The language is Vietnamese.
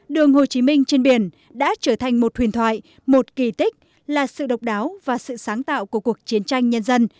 đường hồ chí minh trên biển đã trở thành một huyền thoại một kỳ tích là sự độc đáo và sự sáng tạo của cuộc chiến tranh nhân dân